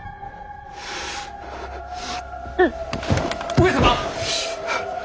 上様？